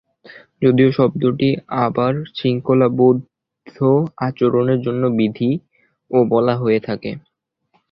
যদিও এই শব্দটিকে আবার "শৃঙ্খলাবদ্ধ আচরণের জন্য বিধি" ও বলা হয়ে থাকে।